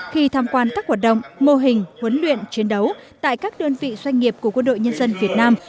khi tham quan các hoạt động mô hình huấn luyện chiến đấu tại các đơn vị doanh nghiệp của quân đội nhân dân việt nam